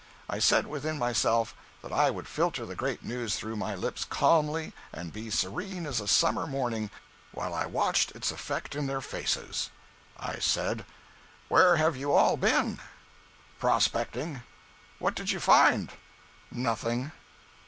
I said within myself that I would filter the great news through my lips calmly and be serene as a summer morning while I watched its effect in their faces. I said: "Where have you all been?" "Prospecting." "What did you find?" "Nothing."